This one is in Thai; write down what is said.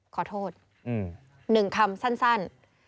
ขอโทษหนึ่งคำสั้น